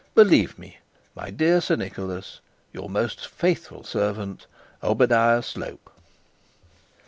'Believe me, my dear Sir Nicholas, 'Your most faithful servant, OBADIAH SLOPE.'